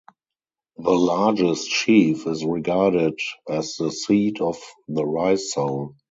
The largest sheaf is regarded as the seat of the rice-soul.